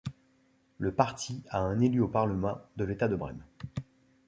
Le parti a un élu au Parlement de l'État de Brême.